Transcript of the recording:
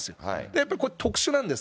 やっぱりこれ、特殊なんです。